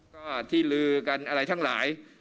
ก็ที่ลือกันอะไรทั้งหลาย